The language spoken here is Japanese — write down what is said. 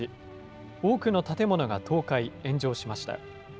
多くの建物が倒壊、炎上しました。